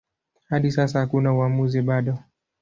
Hadi sasa hakuna uamuzi bado.